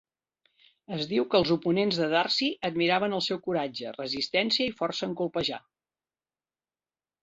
Es diu que els oponents de Darcy admiraven el seu coratge, resistència i força en colpejar.